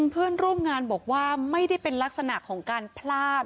เพื่อนร่วมงานบอกว่าไม่ได้เป็นลักษณะของการพลาด